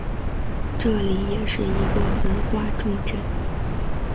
这里也是一个文化重镇。